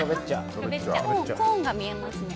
コーンが見えますね。